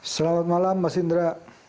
selamat malam mas indra